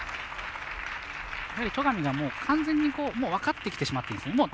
戸上が完全に分かってきてしまってますね。